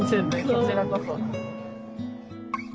こちらこそ。